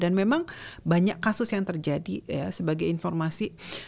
dan memang banyak kasus yang terjadi ya sebagai informasi